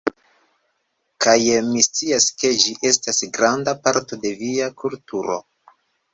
Kaj mi scias, ke ĝi estas granda parto de via kulturo